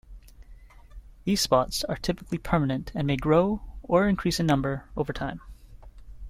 These spots are typically permanent, and may grow or increase in number over time.